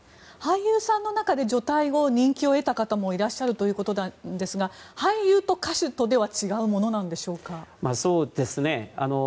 俳優さんの中で除隊後、人気を得た方もいらっしゃるということですが俳優と歌手とではそうですね。